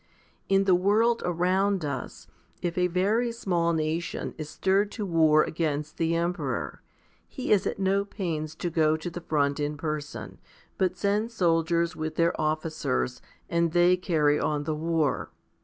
30. In the world around us, if a very small nation is stirred to war against the emperor, he is at no pains to go to the front in person, but sends soldiers with their officers, and they carry on the war.